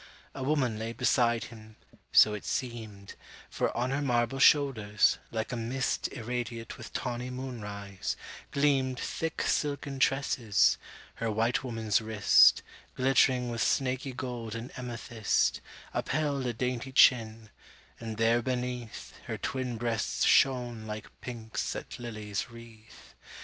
A woman lay beside him,—so it seemed; For on her marble shoulders, like a mistIrradiate with tawny moonrise, gleamedThick silken tresses; her white woman's wrist, Glittering with snaky gold and amethyst, Upheld a dainty chin; and there beneath, Her twin breasts shone like pinks that lilies wreathe.